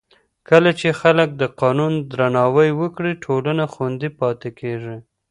کله چې خلک د قانون درناوی وکړي، ټولنه خوندي پاتې کېږي.